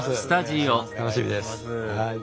楽しみですはい。